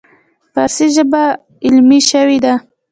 فارسي ژبه علمي شوې ده.